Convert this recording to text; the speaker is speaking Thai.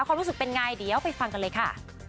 ความรู้สึกเป็นไงเดี๋ยวไปฟังกันเลยค่ะ